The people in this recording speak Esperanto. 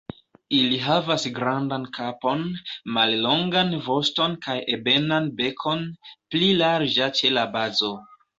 Ili havas grandan kapon, mallongan voston kaj ebenan bekon, pli larĝa ĉe la bazo.